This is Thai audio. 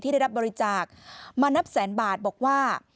ได้รับบริจาคมานับแสนบาทบอกว่า